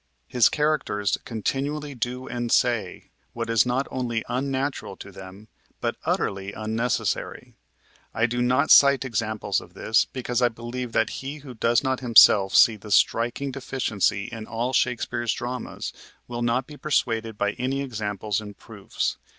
His characters continually do and say what is not only unnatural to them, but utterly unnecessary. I do not cite examples of this, because I believe that he who does not himself see this striking deficiency in all Shakespeare's dramas will not be persuaded by any examples and proofs.